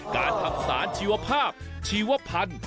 การทำสารชีวภาพชีวพันธุ์